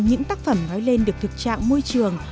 những tác phẩm nói lên được thực trạng môi trường